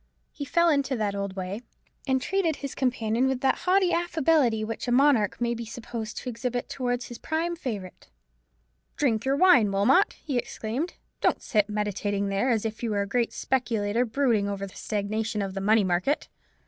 He fell into the old way, and treated his companion with that haughty affability which a monarch may be supposed to exhibit towards his prime favourite. "Drink your wine, Wilmot," he exclaimed; "don't sit meditating there, as if you were a great speculator brooding over the stagnation of the money market.